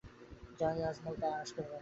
যাই আজমল, আর আসতে হবে না।